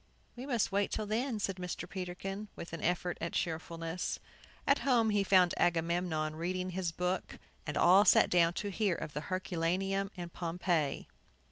"We must wait till then," said Mr. Peterkin, with an effort at cheerfulness. At home he found Agamemnon reading his book, and all sat down to hear of Herculaneum and Pompeii.